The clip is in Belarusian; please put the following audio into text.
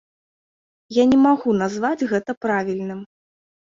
Я не магу назваць гэта правільным.